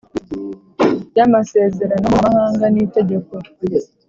y amasezerano mpuzamahanga n Itegeko